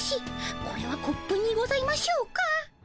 これはコップにございましょうか。